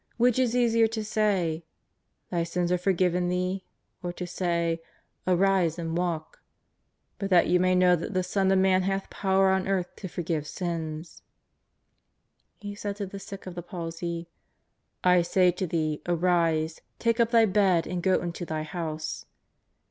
Which is easier to say : Thy sins are forgiven thee, or to say : Arise and walk ? But that you may know tliat the Son of Man hath power on earth to forgive sins "— He said to the sick of the palsy :" I say to thee, arise, take up thy bed and go into thy house."